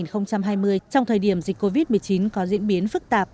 trong thời điểm dịch covid một mươi chín có diễn biến phức tạp